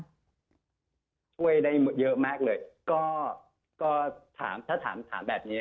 ช่วยได้เยอะมากเลยก็ถ้าถามแบบนี้